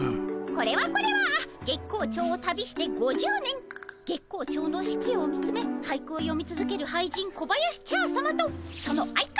これはこれは月光町を旅して５０年月光町の四季を見つめ俳句をよみつづける俳人小林茶さまとその相方